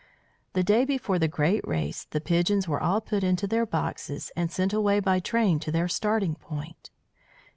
The day before the great race the pigeons were all put into their boxes and sent away by train to their starting point.